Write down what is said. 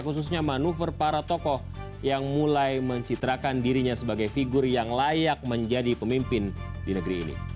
khususnya manuver para tokoh yang mulai mencitrakan dirinya sebagai figur yang layak menjadi pemimpin di negeri ini